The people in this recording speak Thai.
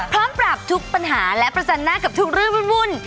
พร้อมปรับทุกปัญหาและประจันหน้ากับทุกเรื่องวุ่น